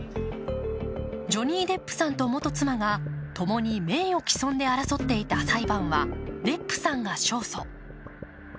ジョニー・デップさんと元妻が共に名誉毀損で争っていた裁判はデップさんが勝訴。